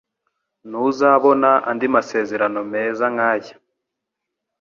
Ntuzabona andi masezerano meza nkaya.